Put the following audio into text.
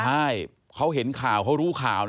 ใช่เขาเห็นข่าวเขารู้ข่าว